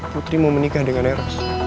putri mau menikah dengan eros